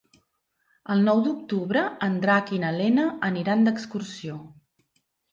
El nou d'octubre en Drac i na Lena aniran d'excursió.